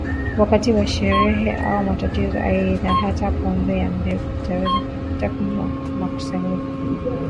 wakati wa sherehe au matatizo Aidha hata pombe ya mbege utaweza kuikuta kwenye makusanyiko